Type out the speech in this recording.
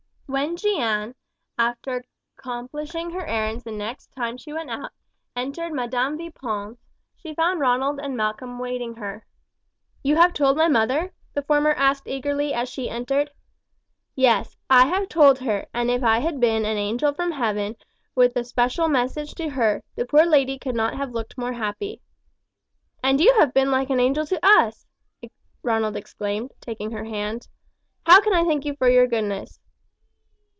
When Jeanne, after accomplishing her errands the next time she went out, entered Madam Vipon's, she found Ronald and Malcolm awaiting her. "You have told my mother?" the former asked eagerly as she entered. "Yes, I have told her, and if I had been an angel from heaven, with a special message to her, the poor lady could not have looked more happy." "And you have been like an angel to us!" Ronald exclaimed, taking her hand. "How can I thank you for your goodness?"